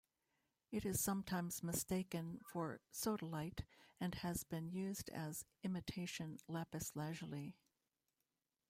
It is sometimes mistaken for sodalite and has been used as imitation lapis lazuli.